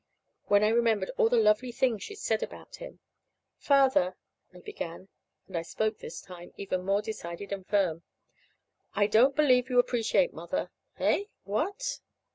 When I remembered all the lovely things she'd said about him "Father," I began; and I spoke this time, even more decided and firm. "I don't believe you appreciate Mother." "Eh? What?"